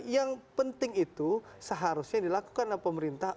yang penting itu seharusnya dilakukan oleh pemerintah